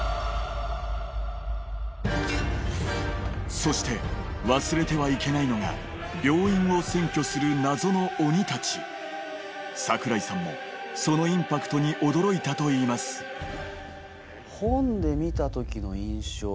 そして忘れてはいけないのが病院を占拠する櫻井さんもそのインパクトに驚いたと言います本で見た時の印象。